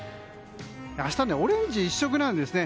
明日、オレンジ一色なんですね。